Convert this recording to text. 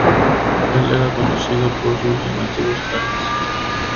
Él era conocido por sus llamativos trajes.